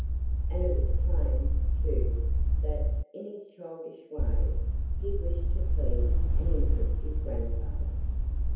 And it was plain, too, that, in his childish way, he wished to please and interest his grandfather.